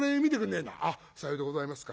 「さようでございますか。